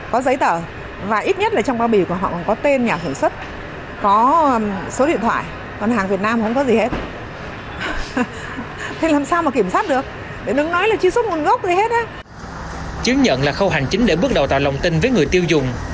chứng nhận là khâu hành chính để bước đầu tạo lòng tin với người tiêu dùng